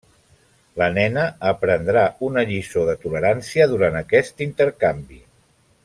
La nena aprendrà una lliçó de tolerància durant aquest intercanvi.